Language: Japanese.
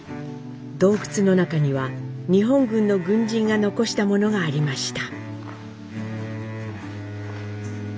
洞窟の中には日本軍の軍人が残したものがありました。